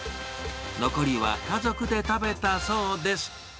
残りは家族で食べたそうです。